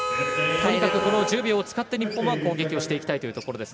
とにかく１０秒を使って日本は攻撃をしていきたいところです。